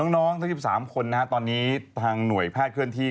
น้องทั้ง๑๓คนตอนนี้ทางหน่วยภาคเคลื่อนที่